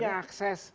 dia nggak punya akses